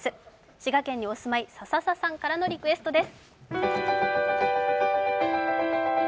滋賀県にお住まいの、ささささんからのリクエストです。